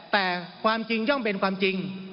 แต่ความจริงย่อมเป็นความจริง